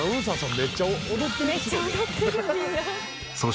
めっちゃ踊ってるみんな。